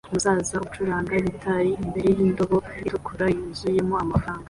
Umusaza acuranga gitari imbere yindobo itukura yuzuyemo amafaranga